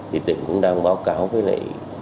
thì tỉnh cũng đang báo cáo với lại